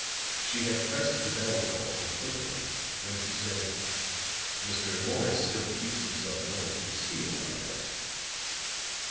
She had pressed the bell call for the footman, when he said: "Mr. Morris still keeps himself well concealed, I note."